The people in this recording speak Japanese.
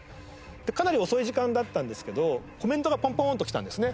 かなり遅い時間だったんですけどコメントがポンポンときたんですね